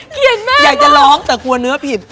เครียดมากอยากจะร้องแต่กลัวเนื้อผิด